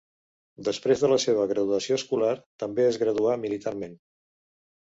Després de la seva graduació escolar, també es graduà militarment.